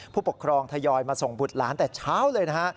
ผู้ปกครองทยอยมาส่งบุตรหลานแต่เช้าเลยนะฮะ